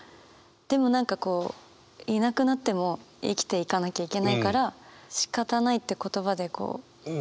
でも何かこういなくなっても生きていかなきゃいけないから「仕方ない」って言葉でこう。